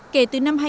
kể từ năm hai nghìn